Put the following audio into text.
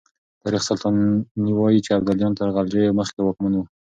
تاريخ سلطاني وايي چې ابداليان تر غلجيو مخکې واکمن وو.